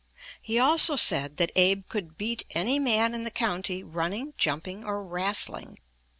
He also said that Abe could beat any man in the county running, jumping, or "wrastling."